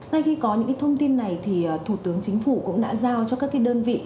ngay khi có những thông tin này thì thủ tướng chính phủ cũng đã giao cho các đơn vị